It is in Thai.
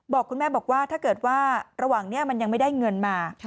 คุณแม่บอกว่าถ้าเกิดว่าระหว่างนี้มันยังไม่ได้เงินมา